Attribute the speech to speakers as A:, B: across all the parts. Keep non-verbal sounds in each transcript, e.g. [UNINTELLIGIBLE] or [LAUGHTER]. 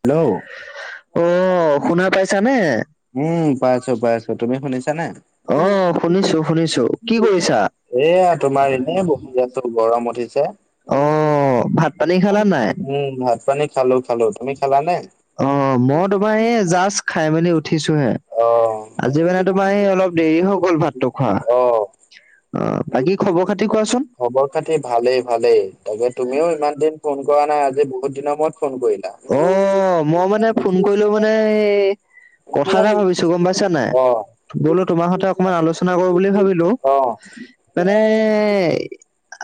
A: Hello [UNINTELLIGIBLE]
B: অ! শুনা পাইছানে? [UNINTELLIGIBLE]
A: উম! পাইছোঁ-পাইছোঁ। তুমি শুনিছানে? [UNINTELLIGIBLE]
B: অ! শুনিছোঁ-শুনিছোঁ। কি কৰিছা? [UNINTELLIGIBLE]
A: এয়া তোমাৰ এনেই বহি আছোঁ গৰম উঠিছে। [INAUDIBLE]
B: অ! ভাত-পানী খালা নাই? [UNINTELLIGIBLE]
A: উম! ভাত-পানী খালোঁ-খালোঁ। তুমি খালানে?
B: অ'! মই তোমাৰ এই, জাষ্ট খাই মেলি উঠিছোঁহে।
A: অ
B: আজি মানে, তোমাৰ এই, অলপ দেৰি হৈ গ'ল, ভাতটো খোৱা।
A: অ
B: অ'! বাকী খবৰ-খাতি কোৱাচোন?
A: খবৰ-খাতি ভালেই, ভালেই! তাকে, তুমিও ইমান দিন ফোন কৰা নাই, আজি বহুত দিনৰ মূৰত ফোন কৰিলা।
B: অ'! মই মানে, ফোন কৰিলোঁ মানে, এই কথা এটা ভাবিছোঁ! গম পাইছা নাই?
A: অ
B: বোলোঁ, তোমাৰ হঁতে অকমান আলোচনা কৰোঁ বুলি ভাবিলোঁ!
A: অ
B: মানে,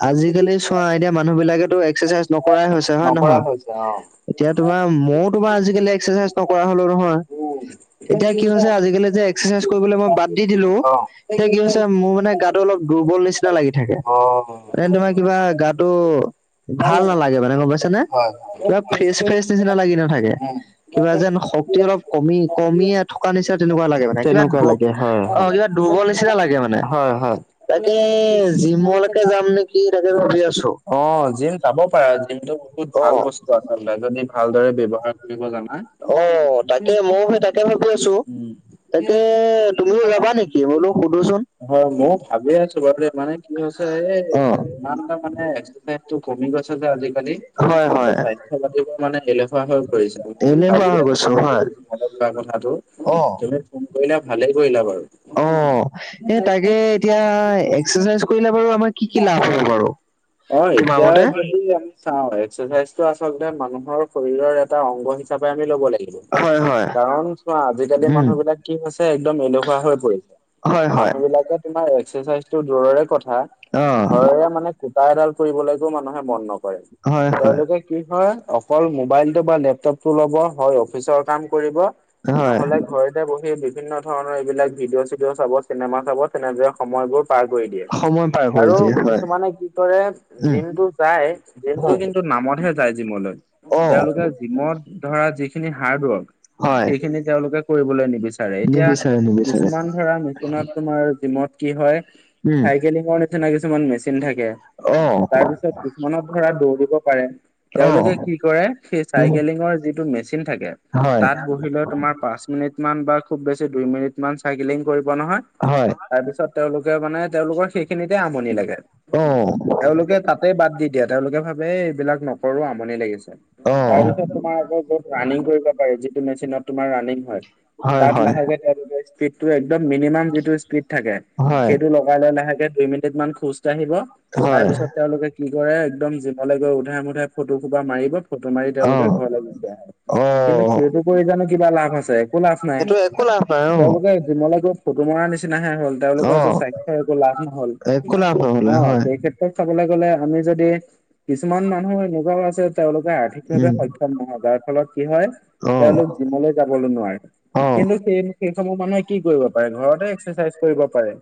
B: আজিকালি চোৱা এতিয়া, মানুহ বিলাকেতো এক্সাৰচাইজ নকৰাই হৈছে, হয় নে
A: নকৰা
B: নহয়?
A: হৈছে অ'!
B: এতিয়া তোমাৰ, মইও তোমাৰ আজিকালি এক্সাৰচাইজ নকৰা হলোঁ নহয়।
A: উম
B: এতিয়া কি হৈছে, আজিকালি যে, এক্সাৰচাইজ কৰিবলে মই বাদ দি দিলোঁ।
A: অ
B: এতিয়া, কি হৈছে? মোৰ মানে গাত গাটো অলপ দুৰ্বল নিচিনা লাগি থাকে।
A: অ
B: মানে, তোমাৰ কিবা গাটো, ভাল নালাগে মানে! গম পাইছানে?
A: হয়, হয়।
B: কিবা, ফ্ৰেচ-ফ্ৰেচ নিচিনা লাগি নাথাকে।
A: উম
B: কিবা যেন, শক্তি অলপ কমি, কমিয়ে থকা নিচিনা, তেনেকুৱা লাগে মানে! কিবা
A: তেনেকুৱা লাগে হয় হয়
B: অ'! কিবা দুৰ্বল নিচিনা লাগে মানে!
A: হয় হয়
B: তাকে, জিমলৈকে যাম নেকি, তাকে ভাবি আছোঁ!
A: অ'! জিম যাব পাৰা, জিমটো বহুত
B: অ
A: ভাল বস্তু আছে। [UNINTELLIGIBLE] ভালদৰে ব্যৱহাৰ কৰিব জানা?
B: অ তাকে ময়ো সেই তাকে ভাবি আছো
A: [UNINTELLIGIBLE]
B: তাকে, তুমিও যাবা নেকি? মই বোলোঁ, সোধোচোন।
A: হয়! মই ভাবি আছোঁ বাৰু! মানে, কি হৈছে! এ,
B: অ
A: [UNINTELLIGIBLE] মানে, এক্সাৰচাইজটো কমি গৈছে যে, আজিকালি।
B: হয় হয়
A: [UNINTELLIGIBLE] কথা পাতিব মানে, এলেহুৱা হৈ পৰিছে। মই
B: এলেহুৱা
A: ভাবি
B: হৈ
A: আছোঁ
B: গৈছো
A: বাৰু দেই!
B: হয়।
A: মনে-মনে কথাটো।
B: অ
A: [UNINTELLIGIBLE] ফোন কৰিলা, ভালেই কৰিলা বাৰু।
B: এ তাকে এতিয়া, এক্সাৰচাইজ কৰিলে বাৰু আমাৰ, কি কি লাভ হ'ব বাৰু তোমাৰ
A: এতিয়া
B: মতে?
A: যদি আমি অ'! এক্সাৰচাইজটো আচলতে, মানুহৰ শৰীৰৰ এটা অংগ হিচাপে, আমি ল'ব লাগিব।
B: হয় হয়
A: কাৰণ, চোৱা! আজিকালি
B: উম
A: মানুহ বিলাক কি হৈছে, একদম এলেহুৱা হৈ পৰিছে।
B: হয় হয়
A: মানুহ বিলাকে, তোমাৰ এক্সাৰচাইজটো দূৰৰে কথা,
B: অ
A: ঘৰেৰে মানে, কুটা এডাল কৰিবলৈকো মানুহে, মন নকৰে।
B: হয় হয়
A: তেওঁলোকে, কি হয়, অকল মোবাইলটো বা লেপটপটো ল'ব হয়, অফিচৰ কাম কৰিব।
B: হয়
A: নহ'লে, ঘৰতে বহি বিভিন্ন ধৰণৰ, এইবিলাক ভিডিঅ-চিডিঅ চাব, চিনেমা চাব। তেনেদৰে, সময়বোৰ পাৰ কৰি দিয়ে।
B: সময় পাৰ কৰি
A: আৰু
B: দিয়ে হয়
A: কিছুমানে, কি কৰে!
B: উম
A: জিমটো যায়, জিমটো
B: হয়
A: কিন্তু, নামতহে যায় জিমলৈ। তেওঁলোকে
B: অ'!
A: জিমত ধৰা, যিখিনি হাৰ্ডৱৰ্ক।
B: হয়
A: সেইখিনি, তেওঁলোকে কৰিবলৈ নিবিচাৰে। এতিয়া,
B: নিবিচাৰে নিবিচাৰে
A: কিছুমান ধৰা, মেচিনত তোমাৰ, জিমত কি হয়!
B: উম
A: চাইকেলিঙৰ তেনেকুৱা, কিছুমান মেচিন থাকে।
B: অ
A: তাৰপিছত, কিছুমানত ধৰা দৌৰিব পাৰে।
B: অ
A: তেওঁলোকে, কি কৰে! সেই,
B: উম
A: চাইকেলিঙৰ যিটো মেচিন থাকে,
B: হয়
A: তাত বহি লৈ তোমাৰ পাঁচ মিনিট মান বা খুউব বেছি, দুই মিনিট মান চাইকেলিং কৰিব নহয়।
B: হয়!
A: তাৰ পিছত, তেওঁলোকে মানে, তেওঁলোকৰ সেইখিনিতে আমনি লাগে।
B: অ
A: তেওঁলোকে, তাত তাতে বাদ দি দিয়ে। তেওঁলোকে ভাবে! এইবিলাক নকৰোঁ, আমনি লাগিছে।
B: অ
A: তাৰপিছত, তোমাৰ আকৌ ৰানিং কৰিব পাৰি। যিটো মেচিনত তোমাৰ, ৰানিং হয়।
B: হয়
A: তাত,
B: হয়
A: লাহেকে তেওঁলোকে, স্পীডটো একদম মিনিমাম যিটো স্পীড থাকে
B: হয়
A: সেইটো লগাই লৈ লাহেকে- দুই মিনিট মান খোজকাঢ়িব তাৰ
B: হয়
A: পিছত তেওঁলোকে- কি কৰে একদম যিমলে গৈ উধাই মুধাই ফটো সোপা মাৰিব ফটো মাৰি তেওঁলোকে
B: অ
A: ঘৰলৈ গুচি আহে। কিন্তু,
B: অ',
A: সেইবোৰ কৰি জানো কিবা লাভ আছে একো লাভ নাই
B: সেইটো একো লাভ নাই অ',
A: তেওঁলোকে- জীম লে গৈ ফটো মৰা নিচিনাহে হল তেওঁলোকৰটো
B: অ',
A: স্বাস্থ্যৰ একো লাভ নহল।
B: একো লাভ নহ'লে হয়।
A: ফেতপেক চাবলে গ'লে আমি যদি কিছুমান মানুহ এনেকুৱাও আছে তেওঁলোকে- সঠিকভাৱে
B: উম,
A: সক্ষম নহয় যাৰ ফলত কি হয়
B: অ',
A: তেওঁলোক জিমলৈ যাবলৈ নোৱাৰে।
B: অ',
A: কিন্তু সেই সেইসমূহ মানুহে কি কৰিব পাৰে ঘৰতে এক্সাৰচাইজ কৰিব পাৰে।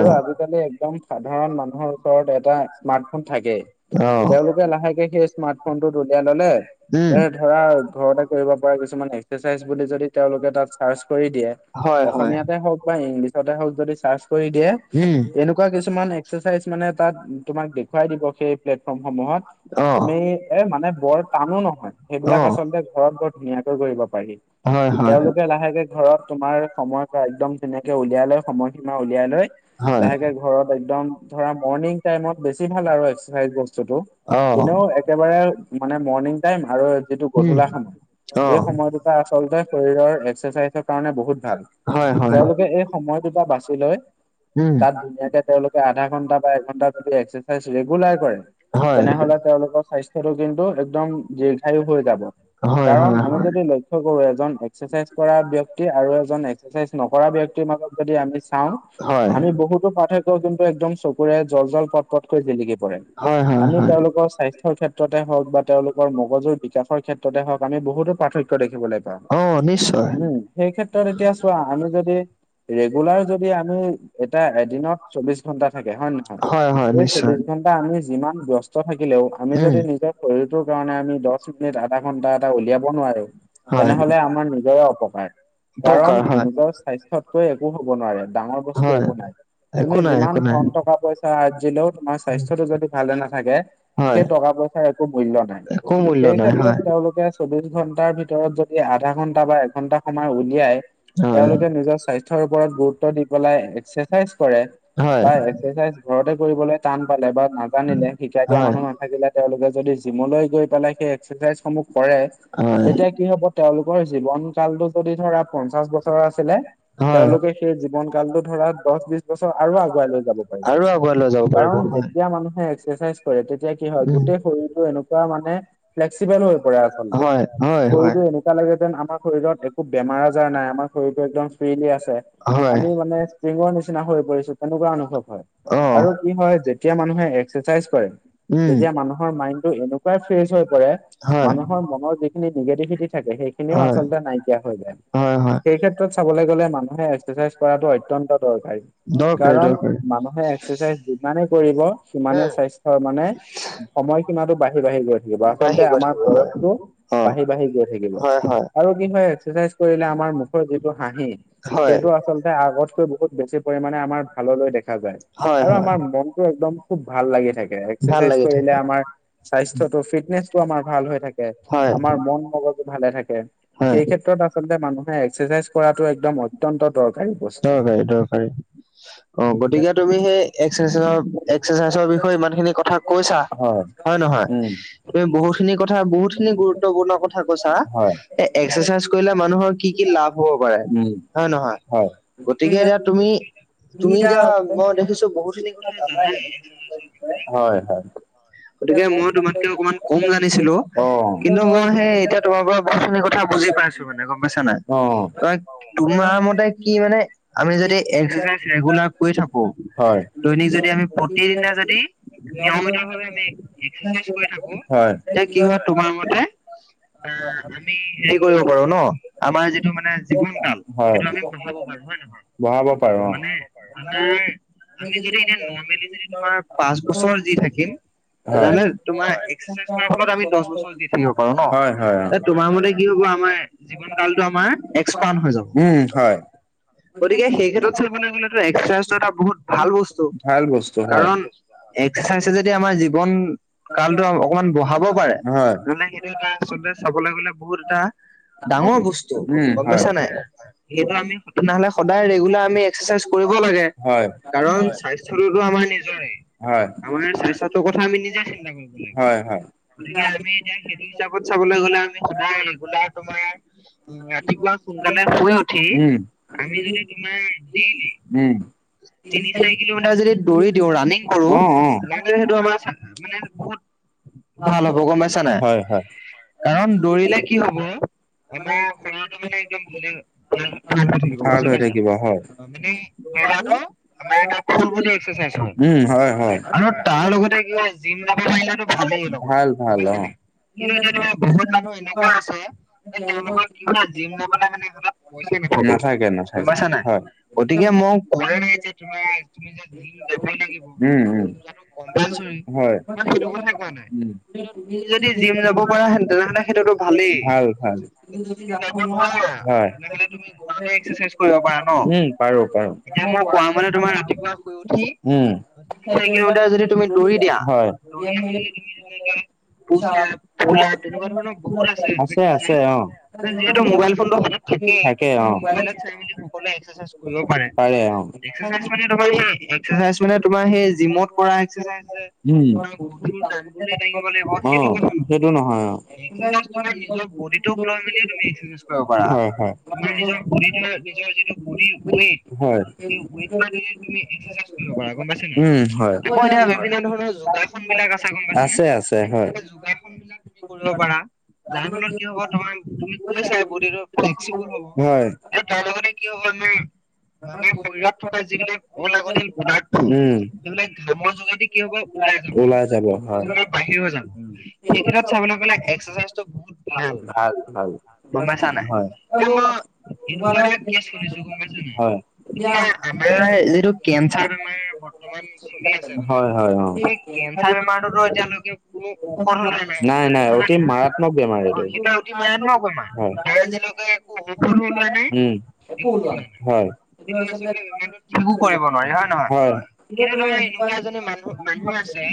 A: আৰু আজিকালি একদম সাধাৰণ মানুহৰ ওচৰত এটা স্মাৰ্টফোন থাকেই।
B: অঁহ'
A: তিয়া লাহেকে সেই স্মাৰ্ট ফোনটোত উলিয়াই ললে,
B: উম,
A: এট- ধৰা ঘৰতে কৰিব পৰা কিছুমান এক্সেৰচাইজ বুলি যদি তেওঁলোকে তাত চাৰ্চ কৰি দিয়ে-
B: হয়, হয়,
A: অসমীয়াতে হওক বা ইংলিছতে হওক যদি চাৰ্চ কৰি দিয়ে-
B: উম,
A: তেনেকুৱা কিছুমান এক্সাৰচাইজ মানে তাত তোমাক দেখুৱাই দিব সেই প্লেটফৰ্মসমূহত-
B: অ',
A: তুমি এ মানে বৰ টানো নহয় সেইবিলাক
B: অ',
A: আচলতে ঘৰত বৰ ধুনীয়াকৈ কৰিব পাৰি।
B: হয় হয়,
A: এতিয়া লাহেকে ঘৰত তোমাৰ সময় এটা একদম তেনেকে উলিয়াই লৈ সময় সীমা উলিয়াই লৈ-
B: হয়,
A: লাহেকে ঘৰত একদম ধৰা মৰ্ণিং টাইমত বেছি ভাল আৰু এক্সাৰচাইজ বস্তুটো।
B: অ',
A: এনেও একেবাৰে মানে মৰ্ণিং টাইম আৰু যিটো
B: উম,
A: গধূলা সময় এই
B: অ',
A: সময়তোত- টা আচলতে শৰীৰৰ এক্সাৰচাইজৰ কাৰণে বহুত ভাল।
B: হয়, হয়,
A: তেওঁলোকে এই সময় দুটা বাছি লয়।
B: উম,
A: তাত ধুনীয়াকে তেওঁলোকে আধা ঘন্টা বা এঘন্টা যদি এক্সাৰচাইজ ৰেগুলাৰ কৰে-
B: হয়,
A: তেনেহলে তেওঁলোকৰ স্বাস্থ্যটো কিন্তু একদম দীৰ্ঘায়ু হৈ যাব।
B: হয়, হয়,
A: কাৰণ,
B: হয়,
A: আমি যদি লৈ- কৰো এজন এক্সাৰচাইজ কৰা ব্যক্তি আৰু এজন এক্সাৰচাইজ নকৰা ব্যক্তিৰ মাজত যদি আমি চাওঁ-
B: হয়,
A: আমি বহুতো পাৰ্থক্য কিন্তু একদম চকুৰে জল জল পট পট- কৈ জিলিকি পৰে।
B: হয়, হয়,
A: আমি
B: হয়,
A: তেওঁলোকৰ স্বাস্থ্য ৰ ক্ষেত্ৰতে হওক বা তেওঁলোক- কৰ মগজুৰ বিকাশৰ ক্ষেত্ৰতে হওঁক আমি বহুতো পাৰ্থক্য দেখিবলৈ পাওঁ।
B: অ', নিশ্চয়,
A: উম' সেই ক্ষেত্ৰত এতিয়া চোৱা আমি যদি ৰেগুলাৰ যদি আমি- তে এদিনত চৌবিশ ঘন্টা থাকে হয় নে নহয়
B: হয়, হয়,
A: এই
B: নিশ্চয়,
A: চৌবিশ- ঘণ্টা আমি যিমান ব্যস্ত থাকিলেও আমি
B: উম,
A: যদি নিজক- শৰীৰটোৰ কাৰণে আমি দহ মিনিট আধা ঘন্টা এটা উলিয়াব নোৱাৰো-
B: হয়,
A: তেনেহলে আমাৰ নিজৰে অপকাৰ।
B: উপকাৰ
A: কাৰণ
B: হয়,
A: নিজৰ স্বাস্থ্যতকৈ একো হ'ব নোৱাৰে, ডাঙৰ বস্তু
B: হয়,
A: একো নাই। তুমি
B: একো নাই,
A: যিমান
B: একো নাই,
A: ধন টকা পইচা আৰজিলেও তোমাৰ স্বাস্থ্য টো যদি ভালে নাথাকে-
B: হয়।
A: সেই টকা পইচাৰ একো মুল্য নাই
B: একো মূল্য
A: সেই
B: নাই
A: ক্ষেত্ৰত
B: হয়
A: তেওঁলোকে- চৌবিশ ঘন্টাৰ ভিতৰত যদি আধা ঘন্টা বা এঘন্টা সময় উলিয়াই- তেওঁলোকে নিজৰ স্বাস্থ্যৰ ওপৰত গুৰুত্ব দি পেলাই এক্সাৰচাইজ কৰে-
B: হয়
A: বা এক্সাৰচাইজ ঘৰতে কৰিবলৈ টান পালে বা নাজানিলে শিকাই দিয়া
B: হয় হয়
A: মানুহ- নাথাকিলে তেওঁলোকে যদি জিমলৈ গৈ পেলাই সেই এক্সেচাইজসমূহ কৰে-
B: হয়
A: তেতিয়া কি হ'ব তেওঁলোকৰ জীৱন কালটো যদি ধৰা পঞ্চাশ বছৰ আছিলে-
B: হয়
A: তেওঁলোকে সেই জীৱন কালটো ধৰা- দচ বিছ বছৰ আৰু আগুৱাই লৈ যাব
B: আৰু
A: পাৰিম
B: আগুৱাই লৈ যাব পাৰিব
A: কাৰণ
B: হয়
A: যেতিয়া মানুহে এক্সেচাইজ- তেতিয়া কি হয়
B: উম
A: গোটেই শৰীৰটো এনেকুৱা মানে ফ্লেক্সিবেল হৈ পৰে আচলতে।
B: হয় হয় হয়
A: তে লাগেতেন আমাৰ শৰীৰত একো বেমাৰ আজাৰ নাই, আমাৰ শৰীৰতটো একদম ফ্ৰীলি আছে।
B: হয়
A: আমি মানে সিঙৰ নিচিনা হৈ পৰিছো, তেনেকুৱা অনুভৱ হয়।
B: অ
A: আৰু কি হয় যেতিয়া মানুহে এক্সাৰচাইজ কৰে,
B: উম
A: তেতিয়া মানুহৰ মাইণ্ড টো এনেকুৱাই ফ্ৰেচ হৈ পৰে
B: হয়
A: মানুহৰ মনৰ যিখিনি নিগেটিভিটি থাকে, সেইখিনিও
B: হয়
A: আচলতে নাইকিয়া হৈ যায়।
B: হয় হয়
A: সেই ক্ষেত্ৰত চাবলৈ গ'লে মানুহে এক্সাৰচাইজ কৰাটো অত্যন্ত দৰকাৰী।
B: দৰকাৰী
A: কাৰণ
B: দৰকাৰী
A: মানুহে এক্সাৰচাইজ যিমানে কৰিব সিমানে
B: উম
A: স্বাস্থ্যৰ মানে সময়সীমা টো বাঢ়ি বাঢ়ি গৈ আচলতে
B: বাঢ়ি গৈ
A: আমাৰ
B: থাকিব হয়
A: বয়সটো
B: অ
A: বাঢ়ি বাঢ়ি গৈ থাকিব।
B: হয় হয়
A: কি হয় এক্সাৰচাইজ কৰিলে আমাৰ মুখৰ যিটো হাঁহি,
B: হয়
A: সেইটো আচলতে আগত কৈ বহুত বেছি পৰিমণে আমাৰ ভাললৈ দেখা যায়,
B: হয়
A: আৰু
B: হয়
A: আমাৰ মনতটো একদম খুব ভাল লাগি থাকে।
B: ভাল
A: এক্সাৰচাইজ
B: লাগি
A: কৰিলে
B: থাকে
A: আমাৰ স্বাস্থ্য টো ফিটনেচ টো আমাৰ ভাল হৈ থাকে।
B: হয়
A: আমাৰ মন মগজ ভালে থাকে,
B: হয়
A: সেই ক্ষেত্ৰত আচলতে মানুহে এক্সাৰচাইজ কৰাটো একদম অত্যন্ত দৰকাৰী বস্তু।
B: অ দৰকাৰী, গতিকে তুমি সেই এক্সাৰচাইজ এক্সাৰচাইজৰ বিষয়ে ইমান খিনি কথা কৈছা, হয় নে নহয়?
A: উম
B: তুমি বহুত খিনি কথা, বহুত খিনি গুৰুত্বপূৰ্ণ কথা কৈছা
A: হয়
B: এ এক্সাৰচাইজ কৰিলে মানুহৰ কি কি লাভ হব পাৰে,
A: উম
B: হয় নহয়?
A: হয়
B: গতিকে এতিয়া তুমি তুমি এতিয়া মই দেখিছো বহুত খিনি কথা জানাই।
A: হয় হয়
B: গতিকে মই তোমাতকে অকমান কম জানিছিলো, কিন্তু মই সেই এতিয়া তোমাৰ পৰা বহুত খিনি কথা বুজি পাইছো। মানে গম পাইছা নে
A: অ',
B: নাই? তোমাৰ মতে কি মানে আমি যদি এক্সাৰচাইজ ৰেগুলাৰ কৰি থাকো,
A: হয়,
B: দৈনিক যদি আমি প্ৰতিদিনে যদি নিয়মিত ভাৱে আমি এক্সাৰচাইজ কৰি থাকো,
A: হয়।
B: এতিয়া কি হয় তোমাৰ মতে অ আমি হেৰি কৰিব পাৰো ন? আমাৰ যিটো মানে জীৱন কাল
A: হয়,
B: সেইটো আমি বঢ়াব পাৰো। হয় নহয়?
A: বঢ়াব পাৰো অ', হয়।
B: মানে আমাৰ আমি যদি এনে নৰ্মেলি যদি তোমাৰ পাঁচ বছৰ যি থাকিম
A: হয়,
B: যেনে তোমাৰ এক্সাৰচাইজ কৰাৰ ফলত আমি দহ বছৰ জীয়াই থাকিব পাৰো
A: হয় অ'।
B: ন? তোমাৰ মতে কি হব আমাৰ জীৱন কালটো আমাৰ এক্সপাণ্ড হৈ যাব।
A: উম হয়
B: গতিকে সেই ক্ষেত্ৰত চাবলৈ গলেতো এক্সাৰচাইজটো এটা বহুত ভাল বস্তু।
A: ভাল বস্তু হয়,
B: কাৰণ এক্সাৰচাইজে যদি আমাৰ জীৱন কালটো অকমান বঢ়াব পাৰে
A: হয়।
B: আচলতে চাবলৈ গ'লে বহুত এটা ডাঙৰ বস্তু
A: উম,
B: গম
A: হয়,
B: পাইছা নে নাই সেইটো আমি, তেনেহলে সদায় ৰেগুলাৰ আমি এক্সাৰচাইজ কৰিব লাগে।
A: হয়,
B: কাৰণ স্বাস্থ্যটোতো আমাৰ নিজৰে।
A: হয়,
B: আমাৰ স্বাস্থ্যটোৰ কথা আমি নিজে চিন্তা কৰিব লাগিব।
A: হয়, হয়।
B: গতিকে আমি এতিয়া সেইটো হিচাপত চাবলৈ গলে আমি সদায় ৰেগুলাৰ তোমাৰ ৰাতিপুৱা সোনকালে শুই উঠি
A: উম
B: আমি যদি তোমাৰ দেইলি
A: উম,
B: তিনি চাৰি কিলোমিটাৰ যদি দৌৰি দিওঁ, ৰানিং কৰো
A: অ', অ'।
B: মানে সেইটো আমাৰ মানে বহুত ভাল হ'ব গম পাইছা নে
A: হয়,
B: নাই?
A: হয়।
B: কাৰণ দৌৰিলে কি হ'ব আমাৰ শৰীৰটো মানে একদম ভালে ভাল হৈ থাকিব।
A: ভাল
B: বুজি
A: হৈ
B: পাইছা?
A: থাকিব হয়।
B: অঁ। মানে আমাৰ গাটো ফোল বডী এক্সাৰচাইজ হয়।
A: উম, হয়, হয়।
B: আৰু তাৰ লগতে কি হয় জিম যাব পাৰিলেতো ভালেই লগতে।
A: ভাল অঁ।
B: কিন্তু এতিয়া তোমাৰ বহুত মানুহ এনেকুৱা আছে। এই তেওঁলোকৰ কি হয় জিম যাবলৈ মানে হাতত পইচা নাথাকে। গম পাছা নাই? গতিকে মই কোৱা নাই যে তোমাক তুমি যে জিম
A: যাব
B: যাবই লাগিব,
A: উম, উম।
B: জিম যোৱাটো কম্পালচৰী
A: হয়।
B: তোমাক সেইটো কথা কোৱা নাই।
A: উম।
B: কিন্তু, তুমি যদি জিম যাব পাৰা হেন তেনেহলে সেইটোতো ভালেই।
A: ভাল, ভাল
B: কিন্তু যদি যাব নোৱাৰে
A: হয়,
B: তেনেহলে তুমি ঘৰতে এক্সাৰচাইজ কৰিব পাৰা ন,
A: উম, পাৰো, পাৰো
B: এতিয়া মই কোৱা ম'তে তোমাৰ ৰাতিপুৱা শুই উঠি
A: উম,
B: তিনি চাৰি কিলোমিটাৰ যদি তুমি দৌৰি দিয়া,
A: হয়।
B: দৌৰি আহি তুমি পুচ আপ, পুল আপ তেনেকুৱা ধৰণৰ বহুত আছে
A: আছে
B: এক্সাৰচাইজ,
A: অ
B: এতিয়া যিহেতু মোবাইল ফোনটোত থাকেই
A: থাকে অ
B: মোবাইলত চাই মেলি সকলোৱে এক্সাৰচাইজ কৰিব পাৰে। এক্সাৰচাইজ মানে তোমাৰ সেই এক্সাৰচাইজ মানে তোমাৰ সেই জিমত কৰা এক্সাৰচাইজ যে
A: উম।
B: ডাম্বেলে দাঙিব লাগিব
A: অ
B: সেইটো কথা নহয়।
A: সেইটো অ
B: এদিনত তুমি নিজৰ বডীটোক লৈ মেলিও এক্সাৰচাইজ কৰিব পাৰা।
A: হয় হয়
B: তোমাৰ নিজৰ বডীটোৰ নিজৰ যিটো বডীৰ ৱেইট
A: হয়
B: সেই ৱেইট পৰা তুমি এক্সাৰচাইজ কৰিব পাৰা গম পাইছ নাই?
A: উম হয়
B: আকৌ এতিয়া বিভিন্ন ধৰণৰ যোগাৰ বিলাক আছে।
A: আছে আছে, হয়।
B: তুমি কৰিব পাৰা। যাৰ ফলত কি হব তোমাৰ তুমি কৈছাই বডটো ফ্লেক্সিবুল হব।
A: হয়
B: তাৰ লগতে কি হ'ব আমাৰ, আমাৰ শৰীৰত থকা যিবিলাক অলাগতিয়াল পদাৰ্থ
A: উম
B: সেইবিলাক ঘামৰ যোগেদি কি হ'ব ওলাই যাব বা বাহিৰ হৈ যাব, সেই ক্ষেত্ৰত চাবলৈ গলে এক্সাৰচাইজ
A: ভাল ভাল, হয়।
B: এনেকুৱা এটা কেছ লৈছো গম পাইছা নাই
A: হয়।
B: এতিয়া আমাৰ এইটো কেঞ্চাৰ বেমাৰ বৰ্তমান চলি আছে মানে, সেই কেঞ্চাৰ বেমাৰটোতো এতিয়ালৈকে কোনো ঔষৰ সমূহ নাই।
A: অতি
B: নাই নাই
A: মাৰাত্মক
B: অঁ।
A: বেমাৰ
B: অ সেইটা অতি মাৰাত্মক বেমাৰ,
A: হয়।
B: তাৰ আজিলৈকে একো ঔষধো ওলোৱা নাই,
A: উম
B: একো ওলোৱা নাই
A: হয়
B: সেইটো আচলতে একো কৰিব নোৱাৰে হয় নহয়? কিন্তু তোমাৰ এনেকুৱা এজনী মানুহ মানুহ আছে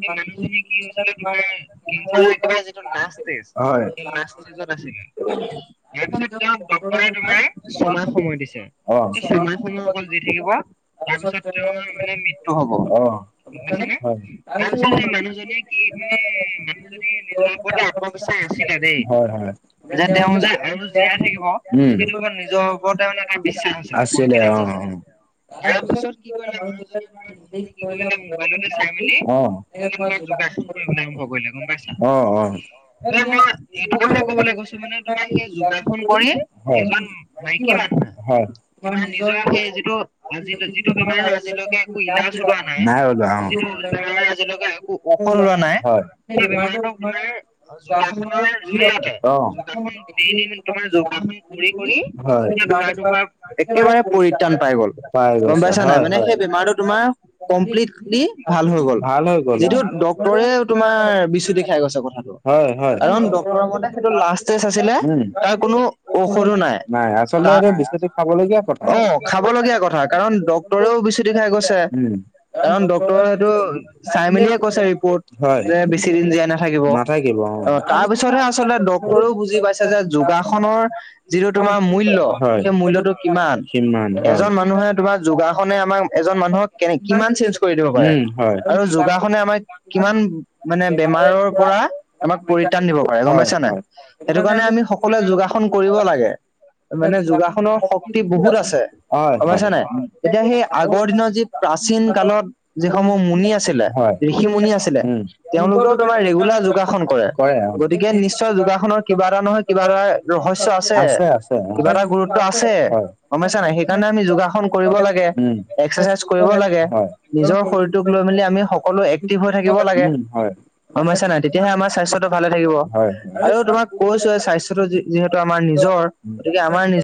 B: সেই মানুহজনী কি হৈছিলে তোমাৰ কেঞ্চাৰৰ একেবাৰে যিটো লাষ্ট ষ্টেজ,
A: হয়।
B: সেই লাষ্ট ষ্টেজত আছিলে তাৰ পিছত তেওঁক ডক্ট ৰে তোমাৰ ছমাহ সময় দিছে। এই ছমাহ সময় অকল জী থাকিব, তাৰ পিছত তেওঁৰ মানে মৃত্যু হ'ব
A: গম পাইছা নে? হয়। তাৰপিছত সেই মানুহ
B: মানুহজনীয়ে কি মানে মানুহজনীয়ে নিজৰ ওপৰতো আত্মবিশ্বাস আাছিলে দেই,
A: হয় হয়
B: যে তেওঁ যে আৰু জীয়াই থাকিব
A: উম।
B: সেইটো ওপৰত নিজৰ ওপৰতে মানে এটা বিশ্বাস আছিলে কনফিডেন্স আছিলে। তাৰপিছত কি কৰিলে মানুহজনীয়ে তোমাৰ নিজে কি কৰিলে মোবাইলতে চাই মেলি
A: অ
B: এনেকে, তোমাৰ যোগাসন কৰিব আৰম্ভ কৰিলে। গম পাইছা?
A: অ অ অ
B: মানে মই, এইটো কথা কবলৈ কৈছোঁ মানে, তোমাৰ সেই যোগাসন কৰি
A: হয়।
B: এজন মাইকী মানুহে,
A: হয়।
B: তোমাৰ নিজৰ সেই, যিটো আজি যিটো, বেমাৰ আজিলৈকে একো ইলাজ ওলোৱা নাই।
A: ওলোৱা অ।
B: যিটো, ল'ৰা আজিলৈকে, একো ঔষধ ওলোৱা নাই।
A: হয়
B: সেই, বেমাৰটো মানে, যোগাসনৰ জৰিয়তে,
A: অ।
B: যোগাসন ডেইলি তোমাৰ, যোগাসন কৰি-কৰি, সেই বেমাৰটো পৰা,
A: হয়।
B: একেবাৰে পৰিত্ৰাণ পাই গ'ল।
A: পাই
B: গম
A: গৈছে
B: পাইছা নাই?
A: হয়
B: মানে,
A: হয়।
B: সেই বেমাৰটোত তোমাৰ, কমপ্লিটলি ভাল হৈ গ'ল।
A: ভাল হৈ গ'ল অ।
B: যিটো, ডক্টৰে তোমাৰ বিচুটি খাই গৈছে। [UNINTELLIGIBLE]
A: হয় হয়।
B: কাৰণ, ডক্তৰ মতে সেইটো লাষ্ট ষ্টেজ আছিলে।
A: উম।
B: তাৰ কোনো ঔষধো নাই।
A: আচলতে
B: তাত,
A: এইটো বিচুতি খাবলগীয়া কথা।
B: অ'! খাবলগীয়া কথা। কাৰণ, ডক্টৰেও বিচুতি খাই গৈছে।
A: উম।
B: কাৰণ, ডক্টৰ সেইটো, চাই মেলিয়ে কৈছে, ৰিপৰ্ট।
A: হয়!
B: চিৰিন জীয়াই নাথাকিব। অ'! তাৰ পিছতহে, আচলতে ডক্তৰেও বুজি পাইছে যে, যোগাসনৰ যিটো তোমাৰ মূল্য,
A: হয়
B: সেই মূল্যটো কিমান?
A: সিমান হয়
B: এজন মানুহে, তোমাৰ যোগাসনে আমাক এজন মানুহক কেনে, কিমান চেঞ্জ কৰি দিব পাৰে।
A: উম হয় হয়
B: আৰু
A: হয়
B: যোগাসনে, আমাৰ কিমান মানে, বেমাৰৰ পৰা আমাক পৰিত্ৰাণ দিব পাৰে, গম
A: হয়
B: পাইছা নাই? সেইটো কাৰণে, আমি সকলোৱে যোগাসন কৰিব লাগে। মানে, যোগাসনৰ শক্তি বহুত আছে।
A: হয়,
B: গম
A: হয়!
B: পাইছা নাই এতিয়া, সেই আগৰ দিনৰ যি, প্ৰাচীন কালত যিসমূহ মুনি আছিলে,
A: হয়
B: ঋষি মুনি আছিলে।
A: উম
B: তেওঁলোকেও, তোমাৰ ৰেগুলাৰ যোগাসন যোগাসন কৰে। গতিকে, নিশ্চয়! যোগাসনৰ কিবা এটা নহয়, কিবা এটা ৰহস্য আছে।
A: আছে অ
B: কিবা
A: হয়।
B: এটা গুৰুত্ব আছে, গম পাইছা নাই? সেইকাৰণে, আমি যোগাসন কৰিব লাগে। এক্সাৰচাইজ কৰিব লাগে। নিজৰ শৰীৰটোক লৈ- মেলি, আমি সকলো এক্টিভ হৈ থাকিব লাগে।
A: উম হয়। উম হয়
B: সমস্যা নাই। তেতিয়াহে আমাৰ স্বাস্থ্যটো ভালে থাকিব!
A: হয় হয়।
B: আৰু তোমাক কৈছোঁ, স্বাস্থ্যটো যি যিহেতু, আমাৰ নিজৰ, গতিকে আমাৰ
A: উম
B: নিজ